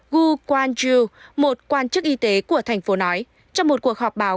gu quan ju một quan chức y tế của thành phố nói trong một cuộc họp báo